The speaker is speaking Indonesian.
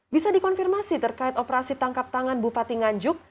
bisa dikonfirmasi terkait operasi tangkap tangan bupati nganjuk